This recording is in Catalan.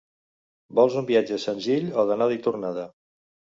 Vols un viatge senzill o d'anada i tornada?